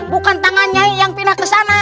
bukan tangan nyai yang pindah kesana